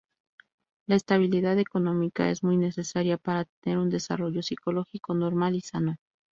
La estabilidad económica es muy necesaria para tener un desarrollo psicológico normal y sano.